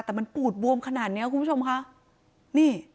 แต่มันปูดบวมขนาดเนี้ยคุณผู้ชมค่ะนี่